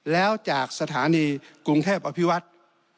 แล้วจากสถานีกรุงเทพอภิวัฒน์